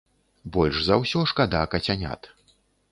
Больш за ўсё шкада кацянят.